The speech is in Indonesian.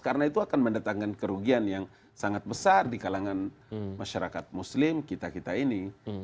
karena itu akan mendatangkan kerugian yang sangat besar di kalangan masyarakat muslim kita kita ini